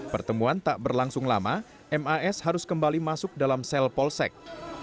pertemuan tak berlangsung lama mas harus kembali masuk dalam sel polsek